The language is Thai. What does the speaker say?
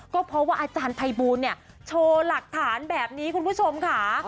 ก็เพราะว่าอาจารย์ภัยบูลเนี่ยโชว์หลักฐานแบบนี้คุณผู้ชมค่ะ